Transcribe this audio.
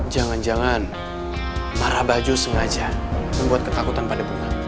jangan jangan marah baju sengaja membuat ketakutan pada bunga